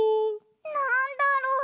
なんだろう？